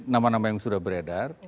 nama nama yang sudah beredar